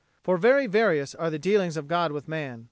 For very various are the dealings of God with man.